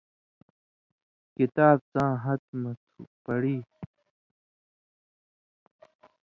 کِتاب څاں ہَتہۡ مہ تُھو، پڑی۔